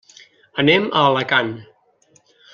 Anem a Alacant.